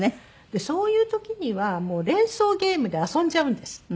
そういう時にはもう連想ゲームで遊んじゃうんです。